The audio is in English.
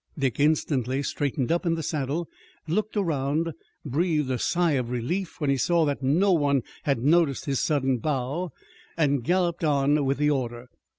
Dick instantly straightened up in the saddle, looked around, breathed a sigh of relief when he saw that no one had noticed his sudden bow, and galloped on with the order.